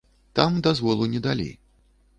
Там дазволу не далі.